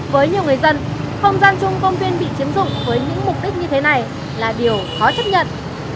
với nhiều người dân không gian chung công viên bị chiếm dụng với những mục đích như thế này là điều khó chấp nhận